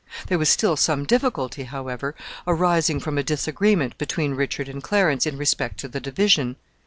There was still some difficulty, however, arising from a disagreement between Richard and Clarence in respect to the division.